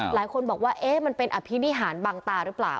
หลายคนบอกว่าเอ๊ะมันเป็นอภินิหารบังตาหรือเปล่า